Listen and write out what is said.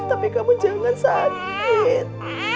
tapi kamu jangan sakit